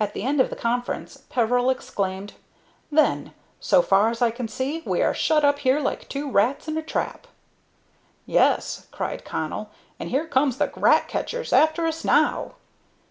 At the end of the conference Peveril exclaimed: "Then, so far as I can see, we are shut up here like two rats in a trap." "Yes," cried Connell, "and here comes the rat catchers after us now!"